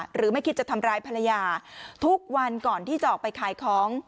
หรือไม่คิดจะทำร้ายภรรยาทุกวันก่อนที่จะออกไปขายของ